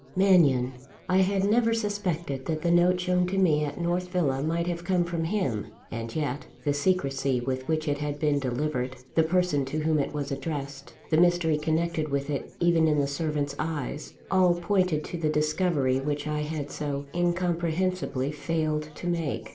Mannion! I had never suspected that the note shown to me at North Villa might have come from him. And yet, the secrecy with which it had been delivered; the person to whom it was addressed; the mystery connected with it even in the servant's eyes, all pointed to the discovery which I had so incomprehensibly failed to make.